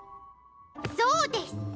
そうです！